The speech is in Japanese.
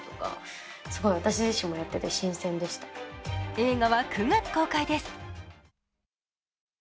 映画は９月公開です。